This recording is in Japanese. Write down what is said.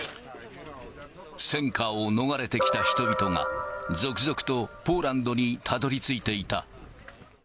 戦禍を逃れてきた人々が、続々とポーランドにたどりついていた。